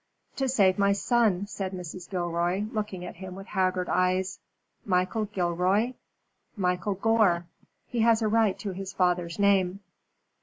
"To save my son," said Mrs. Gilroy, looking at him with haggard eyes. "Michael Gilroy?" "Michael Gore. He has a right to his father's name."